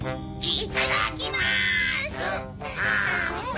いっただきます！